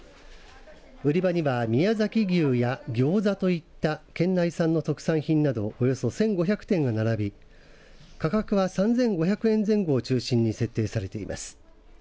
売り場には宮崎牛やギョーザといった県内産の特産品などおよそ１５００点が並び価格は３５００円前後を中心に設定されています。